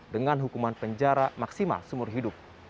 dengan hukuman penjara maksimal seumur hidup